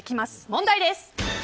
問題です。